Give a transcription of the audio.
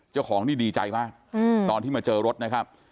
เจ้าของนี่ดีใจมากตอนที่มาเจอรถนะครับ